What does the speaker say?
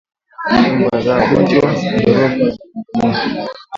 Ugonjwa wa ndorobo kwa ngamia